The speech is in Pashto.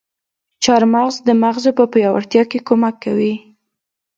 چارمغز د مغزو په پياوړتيا کې کمک کوي.